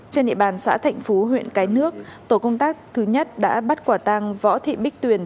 trên địa bàn xã thạnh phú huyện cái nước tổ công tác thứ nhất đã bắt quả tăng võ thị bích tuyền